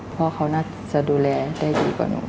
พ่อเขาน่าจะดูแลได้ดีกว่าหนู